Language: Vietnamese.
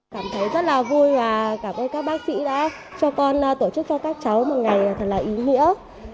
cảm thấy rất là vui và cảm ơn các bác sĩ đã cho con tổ chức cho các cháu một ngày thật là ý nghĩa